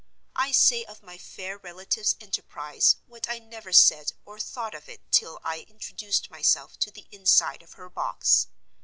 I say of my fair relative's enterprise what I never said or thought of it till I introduced myself to the inside of her box.